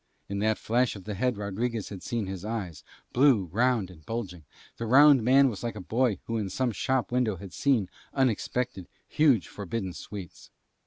In that flash of the head Rodriguez had seen his eyes, blue, round and bulging; the round man was like a boy who in some shop window has seen, unexpected, huge forbidden sweets.